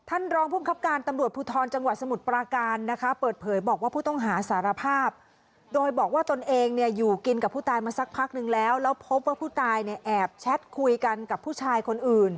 ท่านรองภูมิครับการตำรวจภูทรจังหวัดสมุทรปราการนะคะเปิดเผยบอกว่าผู้ต้องหาสารภาพโดยบอกว่าตนเองเนี่ยอยู่กินกับผู้ตายมาสักพักนึงแล้วแล้วพบว่าผู้ตายเนี่ยแอบแชทคุยกันกับผู้ชายคนอื่น